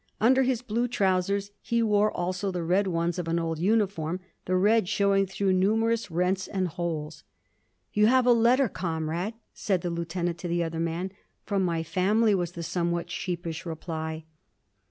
Under his blue trousers he wore also the red ones of an old uniform, the red showing through numerous rents and holes. "You have a letter, comrade!" said the Lieutenant to the other man. "From my family," was the somewhat sheepish reply.